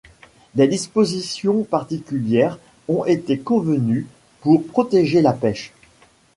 Des dispositions particulières ont été convenues pour protéger la pêche.